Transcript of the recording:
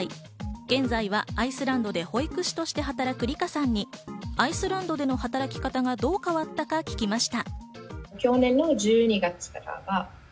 現在はアイスランドで保育士として働くＲｉｋａさんにアイスランドでの働き方がどう変わったか聞きました。